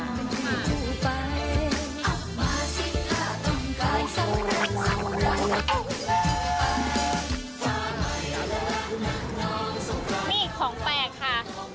มีอีกของแปลกค่ะ